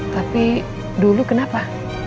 tapi dulu kenapa